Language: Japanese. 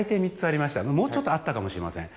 もうちょっとあったかもしれません。